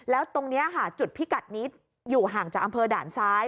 แล้วตรงนี้ค่ะจุดพิกัดนิดอยู่ห่างจากอำเภอด่านซ้าย